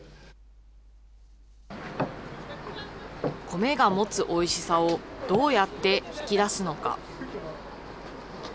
米が持つおいしさをどうやって引き出すのか。